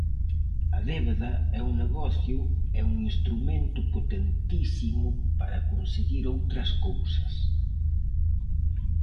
A débeda é un negocio e un instrumento potentísimo para conseguir outras cousas.